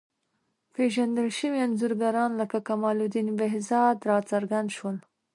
پېژندل شوي انځورګران لکه کمال الدین بهزاد راڅرګند شول.